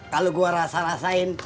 kalau gue rasa rasain